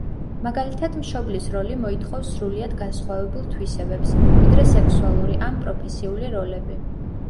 მაგალითად, მშობლის როლი მოითხოვს სრულიად განსხვავებულ თვისებებს, ვიდრე სექსუალური ან პროფესიული როლები.